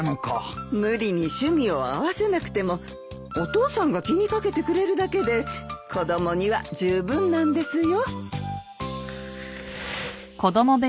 無理に趣味を合わせなくてもお父さんが気に掛けてくれるだけで子供にはじゅうぶんなんですよ。